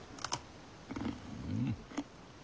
うん。